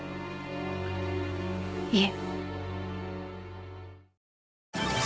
いえ。